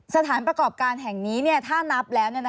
สถานประกอบการแห่งนี้ถ้านับแล้ว